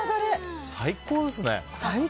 最高ですね。